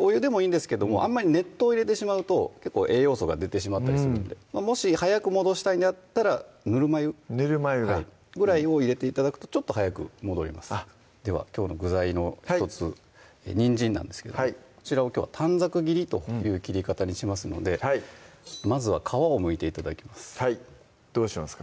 お湯でもいいんですけどもあんまり熱湯を入れてしまうと栄養素が出てしまったりするんでもし早く戻したいんであったらぬるま湯ぬるま湯がぐらいを入れて頂くとちょっと早く戻りますではきょうの具材の１つにんじんなんですけどこちらをきょうは短冊切りという切り方にしますのでまずは皮をむいて頂きますはいどうしますか？